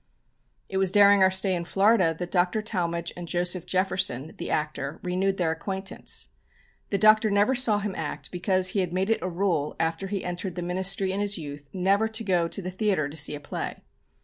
It was during our stay in Florida that Dr. Talmage and Joseph Jefferson, the actor, renewed their acquaintance. The Doctor never saw him act because he had made it a rule after he entered the ministry in his youth never to go to the theatre to see a play.